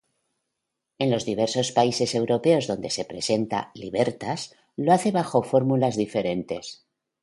En los diversos países europeos donde se presenta, Libertas lo hace bajo fórmulas diferentes.